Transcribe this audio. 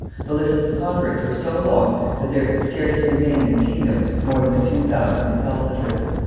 The lists of converts were so long that there could scarcely remain in the kingdom more than a few thousand recalcitrants.